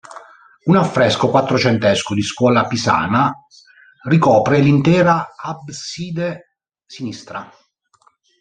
Un affresco quattrocentesco di scuola pisana ricopre l'intera abside sinistra.